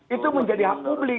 itu menjadi hak publik